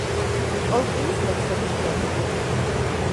ტოლკინის ლექსების კრებული.